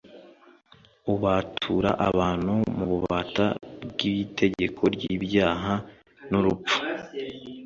” ubatura abantu “mu bubata bw’itegeko ry’ibyaha n’urupfu.